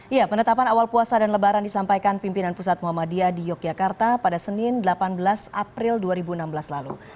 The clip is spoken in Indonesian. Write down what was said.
ya penetapan awal puasa dan lebaran disampaikan pimpinan pusat muhammadiyah di yogyakarta pada senin delapan belas april dua ribu enam belas lalu